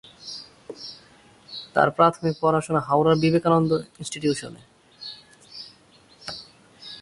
তার প্রাথমিক পড়াশোনা হাওড়ার বিবেকানন্দ ইনস্টিটিউশনে।